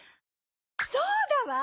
そうだわ！